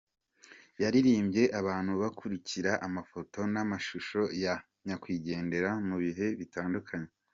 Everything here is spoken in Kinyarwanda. Yaririmbye abantu bakurikira amafoto n’amashusho ya nyakwigendera mu bihe bitandukanye.